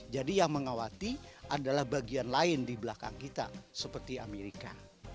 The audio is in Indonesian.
jadi yang mengawati adalah bagian lain di belakang kita seperti amerika